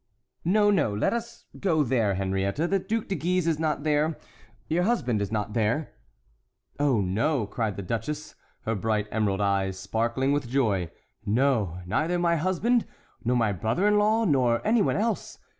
"No, no, let us go there, Henriette; the Duc de Guise is not there, your husband is not there." "Oh, no," cried the duchess, her bright emerald eyes sparkling with joy; "no, neither my husband, nor my brother in law, nor any one else.